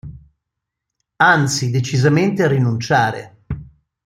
Anzi decisamente a rinunciare.